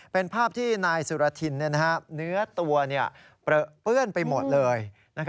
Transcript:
เป็นภาพที่นายสุรทินเนื้อตัวเปลื้อนไปหมดเลย